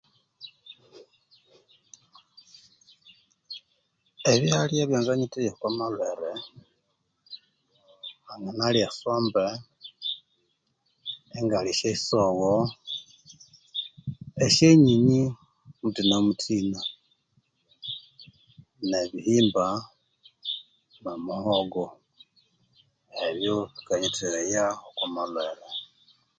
Ebyalya ebya nganyitheya okwa malhwere nanga nalya esombe ingalya esyisogho esyonyinyi muthina muthina nebihimba no muhogo ebyo bikanyitheghaya oko malhwere